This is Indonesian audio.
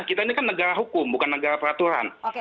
kita ini kan negara hukum bukan negara peraturan